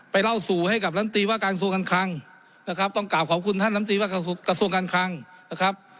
เล่าสู่ให้กับลำตีว่าการกระทรวงการคลังนะครับต้องกลับขอบคุณท่านลำตีว่ากระทรวงการคลังนะครับ